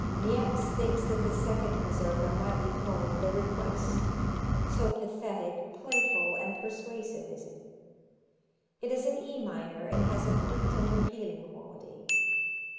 Niecks thinks that the second Mazurka might be called The Request, so pathetic, playful and persuasive is it. It is in E minor and has a plaintive, appealing quality.